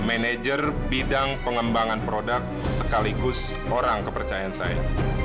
manager bidang pengembangan produk sekaligus orang kepercayaan saya